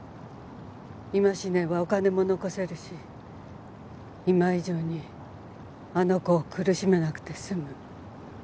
今死ねばお金も残せるし今以上にあの子を苦しめなくて済む。